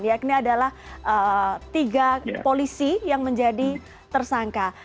yakni adalah tiga polisi yang menjadi tersangka